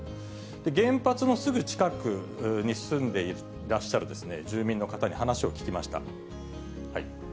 原発のすぐ近くに住んでいらっしゃる住民の方に話を聞きました。